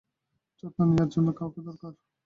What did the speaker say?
যত্ন নেয়ার জন্য তার কাউকে দরকার।